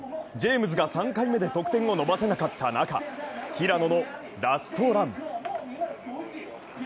ジェームズが３回目で得点を伸ばせなかった中、平野のラストラン。